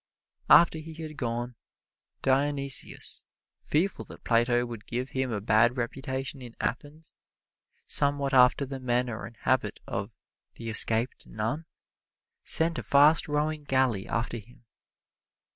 After he had gone, Dionysius, fearful that Plato would give him a bad reputation in Athens somewhat after the manner and habit of the "escaped nun" sent a fast rowing galley after him.